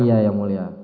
iya yang mulia